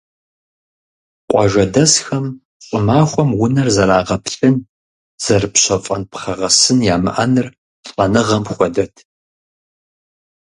Къуажэдэсхэм щӀымахуэм унэр зэрагъэплъын, зэрыпщэфӀэн пхъэгъэсын ямыӀэныр лӀэныгъэм хуэдэт.